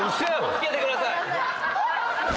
つけてください。